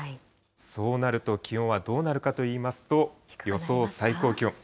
そうなると気温はどうなるかといいますと、予想最高気温。